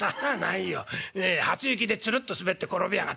「いやいや初雪でツルッと滑って転びやがってね